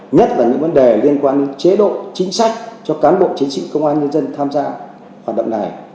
nhất là những vấn đề liên quan đến chế độ chính sách cho cán bộ chiến sĩ công an nhân dân tham gia hoạt động này